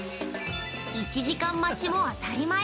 ◆１時間待ちも当たり前！